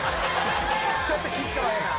「ちょっと吉川やな」